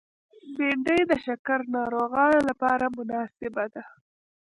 بېنډۍ د شکر ناروغانو لپاره مناسبه ده